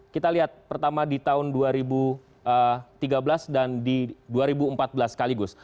kita lihat pertama di tahun dua ribu tiga belas dan di dua ribu empat belas sekaligus